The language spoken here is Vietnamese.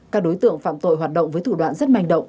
các đối tượng phạm tội hoạt động với thủ đoạn rất manh động